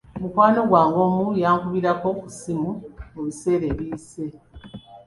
Mukwano gwange omu yankubirako ku ssimu mu biseera ebiyise.